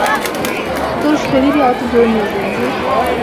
তোর শরীরে অত জোর নেই, বন্ধু।